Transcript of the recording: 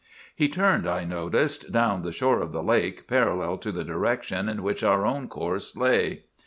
"He turned, I noticed, down the shore of the lake, parallel to the direction in which our own course lay.